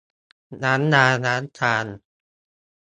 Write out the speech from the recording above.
น้ำยาล้างจาน